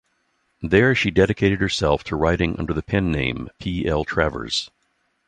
There she dedicated herself to writing under the pen name P. L. Travers.